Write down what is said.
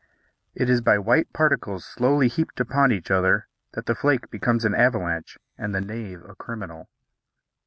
It is by white particles slowly heaped upon each other that the flake becomes an avalanche and the knave a criminal.